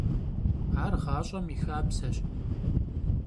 Ар гъащӏэм и хабзэщ.